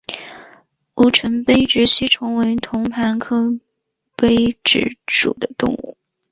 吴城杯殖吸虫为同盘科杯殖属的动物。